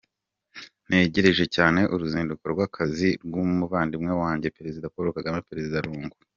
"Ntegereje cyane uruzinduko rw’akazi rw’umuvandimwe wanjye Perezida Paul Kagame" Perezida Lungu.